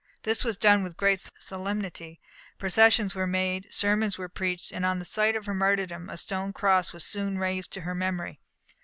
This was done with great solemnity; processions were made, sermons were preached, and on the site of her martyrdom a stone cross was soon raised to her memory.